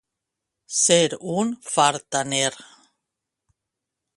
Ser un fartaner.